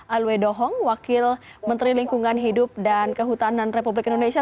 alwe dohong wakil menteri lingkungan hidup dan kehutanan republik indonesia